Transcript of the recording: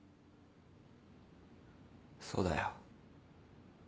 そうだよ。